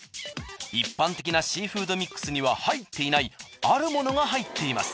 一般的なシーフードミックスには入っていないあるものが入っています。